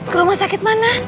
ke rumah sakit mana